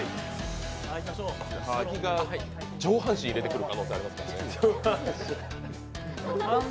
兎が上半身入れてくる可能性がありますからね。